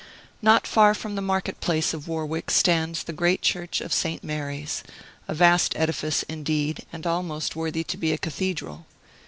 Not far from the market place of Warwick stands the great church of St. Mary's: a vast edifice, indeed, and almost worthy to be a cathedral.